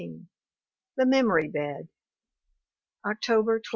XIV THE MEMORY BED October 25.